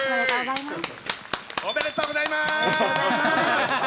おめでとうございます。